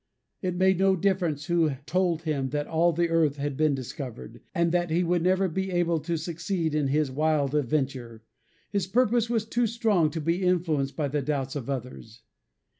It made no difference who told him that all the earth had been discovered, and that he would never be able to succeed in his wild venture. His purpose was too strong to be influenced by the doubts of others.